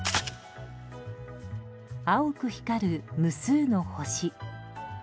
青く光る無数の星。